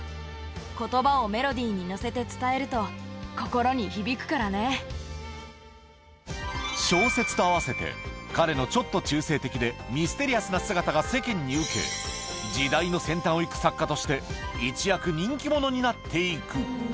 ことばをメロディーに乗せて伝えると、小説とあわせて、彼のちょっと中性的で、ミステリアスな姿が世間に受け、時代の先端を行く作家として、一躍、人気者になっていく。